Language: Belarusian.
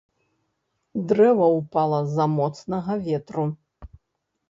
Дрэва ўпала з-за моцнага ветру.